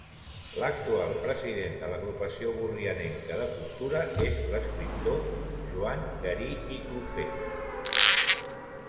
L'actual president de l'Agrupació Borrianenca de Cultura és l'escriptor Joan Garí i Clofent.